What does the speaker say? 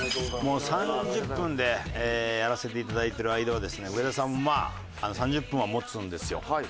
もう３０分でやらせていただいてる間はですね上田さんもまあ３０分は持つんですよ